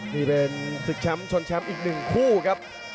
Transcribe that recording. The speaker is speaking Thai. นี่เป็นศึกแชมป์ชนแชมป์อีกหนึ่งคู่ครับ